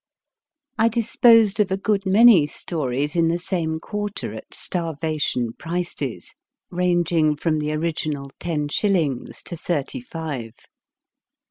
I disposed of a good many stories in the same quarter at starvation prices, ranging from the original ten shillings to thirty five.